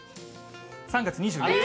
３月２４日。